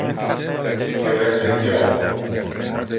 Io es de Kyoto.